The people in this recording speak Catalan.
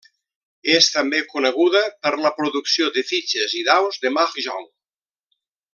És també coneguda per la producció de fitxes i daus de mahjong.